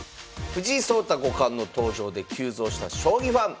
藤井聡太五冠の登場で急増した将棋ファン。